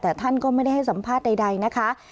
แต่ท่านก็ไม่ได้ให้สัมภาษณ์ใดนะคะ